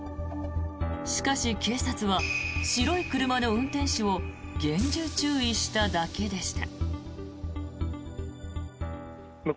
しかし、警察は白い車の運転手を厳重注意しただけでした。